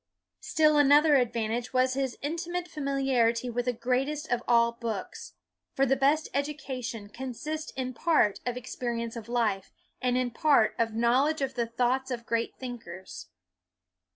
Still another advantage was his intimate familiarity with the greatest of all books; for the best education consists in part of experience of life, and in part of knowl edge of the thoughts of great thinkers.